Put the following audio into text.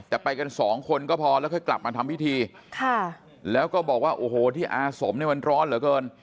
แต่ไปกันสองคนก็พอแล้วค่อยกลับมาทำพิธีค่ะแล้วก็บอกว่าโอ้โหที่อาสมเนี่ยมันร้อนเหลือเกิน